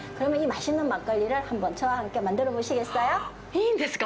いいんですか？